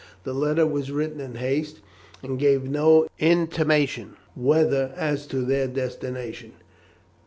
The letter was written in haste, and gave no intimation whatever as to their destination.